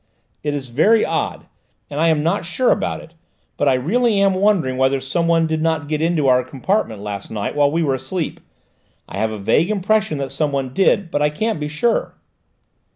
"It is very odd, and I am not sure about it, but I really am wondering whether someone did not get into our compartment last night while we were asleep. I have a vague impression that someone did, but I can't be sure."